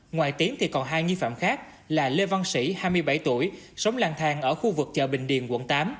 ngoài tiến thì còn hai nghi phạm khác là lê văn sĩ hai mươi bảy tuổi sống lang thang ở khu vực chợ bình điền quận tám